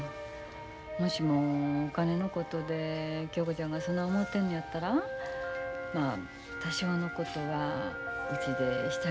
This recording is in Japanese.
もしもお金のことで恭子ちゃんがそない思うてんのやったらまあ多少のことはうちでしてあげてもええんよ。